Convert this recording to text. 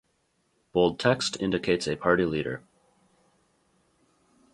Bold text indicates a party leader.